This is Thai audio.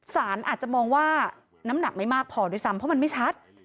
สารอาจจะมองว่าน้ำหนักไม่มากพอด้วยซ้ำเพราะมันไม่ชัด